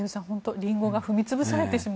リンゴが踏み潰されてしまう。